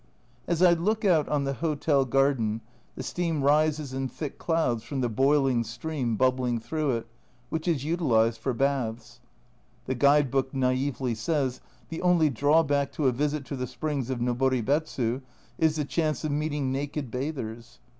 As I look out on the hotel garden the steam rises in thick clouds from the boil ing stream bubbling through it, which is utilised for baths. The Guide book naively says: "The only drawback to a visit to the springs of Noboribetsu is the chance of meeting naked bathers."